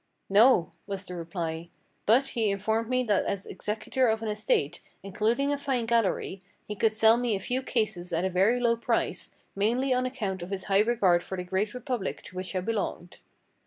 "No," was the reply; "but he informed me that as executor of an estate, including a fine gallery, he could sell me a few cases at a very low price, mainly on account of his high regard for the great republic to which I belonged."